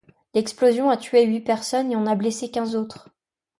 L'explosion a tué huit personnes et en a blessé quinze autres.